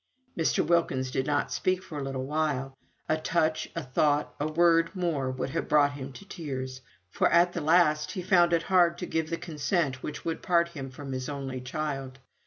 Mr. Wilkins did not speak for a little while a touch, a thought, a word more would have brought him to tears; for at the last he found it hard to give the consent which would part him from his only child.